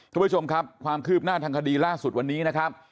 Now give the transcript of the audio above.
ทุกผู้ชมครับความคืบหน้าทางคดีล่าสุดวันนี้นะครับ